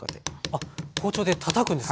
あっ包丁でたたくんですかこれ。